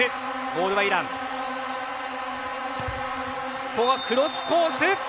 ここはクロスコース。